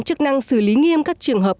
chức năng xử lý nghiêm các trường hợp